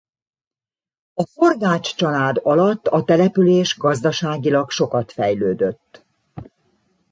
A Forgách család alatt a település gazdaságilag sokat fejlődött.